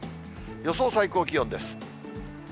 予想最高気温です。